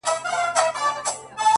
له هنداري څه بېــخاره دى لوېـــدلى!